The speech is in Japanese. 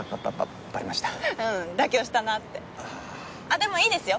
でもいいですよ